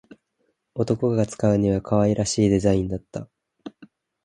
男が使うには可愛らしいデザインだった